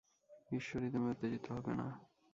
ঈশ্বরী, তুমি উত্তেজিত হবে না।